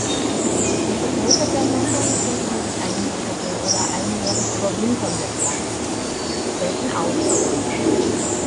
Die Vertreter der Gattung sind meist einjährige oder einjährig überwinternde Pflanzen, selten ausdauernd.